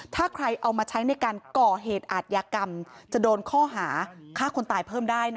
ถ้าใครเอามาใช้ในการก่อเหตุอาทยากรรมจะโดนข้อหาฆ่าคนตายเพิ่มได้นะ